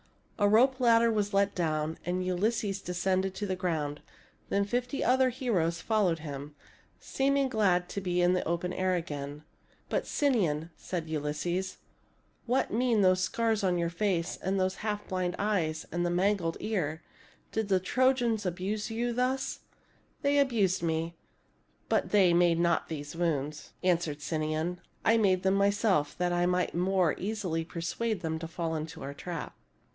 A rope ladder was let down, and Ulysses de scended to the ground. Then fifty other heroes fol lowed him, seeming glad to be in the open air again. " But, Sinon," said Ulysses, " what mean those scars on your face, those half blind eyes, and that mangled ear ? Did the Trojans abuse you thus ?"" They abused me, but they made not these wounds," answered Sinon. " I made them myself, that I might the more easily persuade them to fall into our trap."